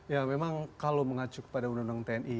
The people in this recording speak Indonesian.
ya memang kalau mengacu kepada undang undang tni